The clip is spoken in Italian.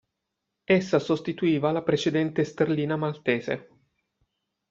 Essa sostituiva la precedente sterlina maltese.